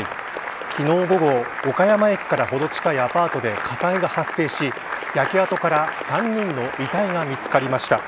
昨日午後岡山駅からほど近いアパートで火災が発生し焼け跡から３人の遺体が見つかりました。